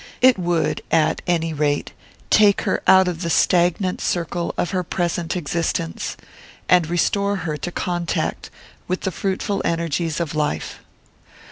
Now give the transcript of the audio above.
It would, at any rate, take her out of the stagnant circle of her present existence, and restore her to contact with the fruitful energies of life.